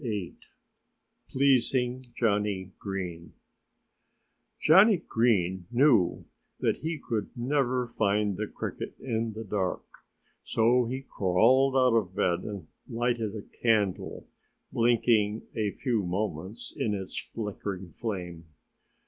VIII PLEASING JOHNNIE GREEN Johnnie Green knew that he could never find the Cricket in the dark. So he crawled out of bed and lighted a candle, blinking a few moments in its flickering flame.